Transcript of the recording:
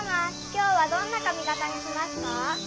今日はどんな髪形にしますか？